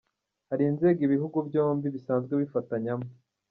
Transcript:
Hari inzego ibihugu byombi bisanzwe bifatanyamo.